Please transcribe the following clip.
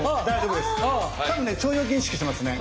多分ね腸腰筋意識してますね。